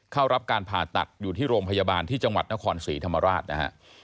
เข้ารับการผ่าตัดอยู่ที่โรงพยาบาลที่จังหวัดนครศรีธรรมราชนะฮะ